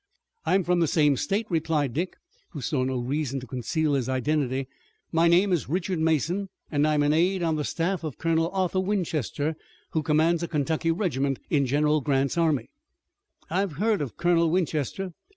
"I'm from the same state," replied Dick, who saw no reason to conceal his identity. "My name is Richard Mason, and I'm an aide on the staff of Colonel Arthur Winchester, who commands a Kentucky regiment in General Grant's army." "I've heard of Colonel Winchester.